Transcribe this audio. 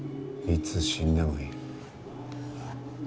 いつ死んでもいい。